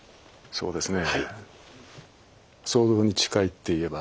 そうですね。